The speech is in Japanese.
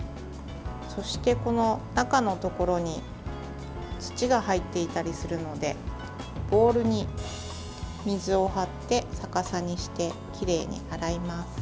そして、中のところに土が入っていたりするのでボウルに水を張って、逆さにしてきれいに洗います。